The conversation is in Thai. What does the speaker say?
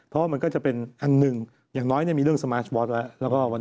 เพราะว่ามันก็จะเป็นอันหนึ่งอย่างน้อยมีเรื่องสมาร์ทบอสแล้ว